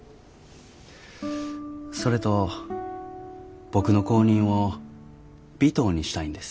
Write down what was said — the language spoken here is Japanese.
それと僕の後任を尾藤にしたいんです。